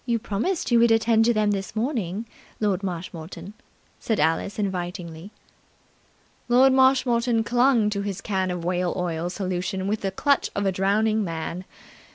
"You promised you would attend to them this morning, Lord Marshmoreton," said Alice invitingly. Lord Marshmoreton clung to his can of whale oil solution with the clutch of a drowning man.